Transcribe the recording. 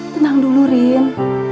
tenang dulu rin